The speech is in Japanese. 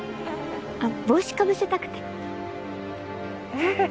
帽子かぶせたくてええ